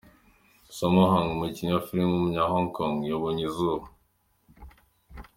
Sammo Hung, umukinnyi wa filime w’umunya Hong Kong yabonye izuba.